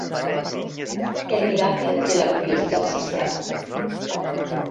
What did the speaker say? El miracle de la curiositat saciada.